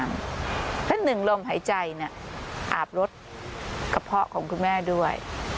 เพราะฉะนั้นหนึ่งลมหายใจอาบรถกระเพาะของคุณแม่ด้วย